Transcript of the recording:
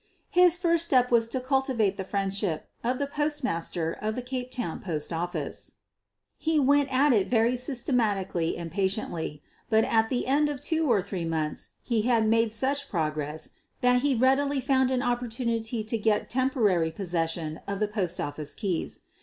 His first step was to cultivate the friendship of the Postmaster of the Cape Town Post Office. He QUEEN OF THE BURGLAKS 175 went a'*, if, very systematically and patiently, but at the end of two or three months he had made such progress that he readily found an opportunity to get temporary possession of the post office keys.